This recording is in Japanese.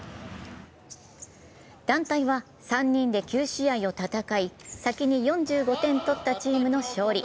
団体は３人で９試合を戦い、先に４５点取ったチームの勝利。